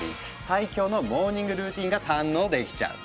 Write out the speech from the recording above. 最強のモーニングルーティンが堪能できちゃう。